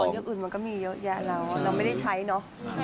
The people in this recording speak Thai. อย่างอื่นมันก็มีเยอะแยะแล้วเราไม่ได้ใช้เนอะ